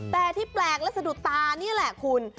แต่ที่แปลกลักษณ์สะดุชานี่แหละคุณ